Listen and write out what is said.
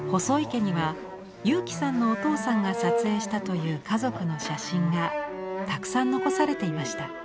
細井家には佑基さんのお父さんが撮影したという家族の写真がたくさん残されていました。